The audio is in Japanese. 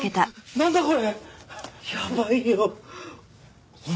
なんだよこれ。